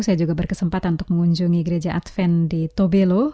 saya juga berkesempatan untuk mengunjungi gereja advent di tobelo